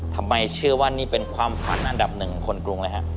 เชื่อว่านี่เป็นความฝันอันดับหนึ่งของคนกรุงเลยฮะ